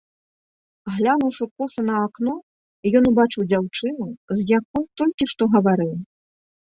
Глянуўшы коса на акно, ён убачыў дзяўчыну, з якой толькі што гаварыў.